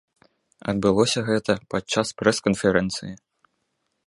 Адбылося гэта падчас прэс-канферэнцыі.